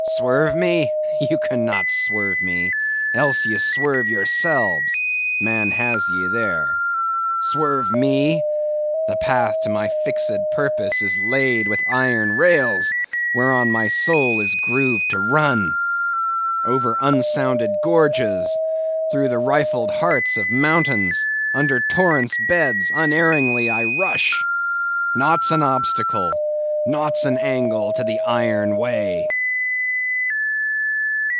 Swerve me? ye cannot swerve me, else ye swerve yourselves! man has ye there. Swerve me? The path to my fixed purpose is laid with iron rails, whereon my soul is grooved to run. Over unsounded gorges, through the rifled hearts of mountains, under torrents' beds, unerringly I rush! Naught's an obstacle, naught's an angle to the iron way!